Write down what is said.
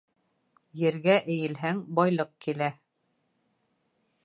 Ергә эйелһәң, байлыҡ килә.